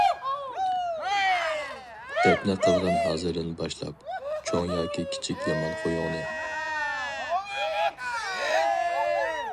دەپنە قىلغىن ھازىردىن باشلاپ، چوڭ يا كىچىك يامان خۇيۇڭنى.